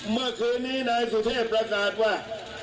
เมื่อคืนนี้นายสุเทพประกาศว่า